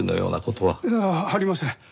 いやありません。